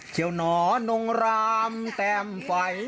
เจ้านอนุงรามแต่มไฟเมน